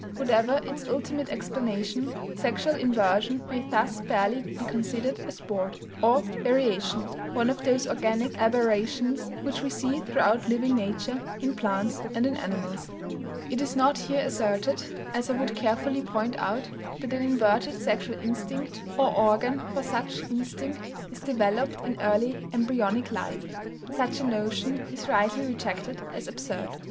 Whatever its ultimate explanation, sexual inversion may thus fairly be considered a "sport," or variation, one of those organic aberrations which we see throughout living nature, in plants and in animals. It is not here asserted, as I would carefully point out, that an inverted sexual instinct, or organ for such instinct, is developed in early embryonic life; such a notion is rightly rejected as absurd.